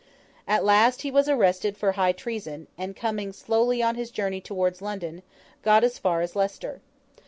At last, he was arrested for high treason; and, coming slowly on his journey towards London, got as far as Leicester.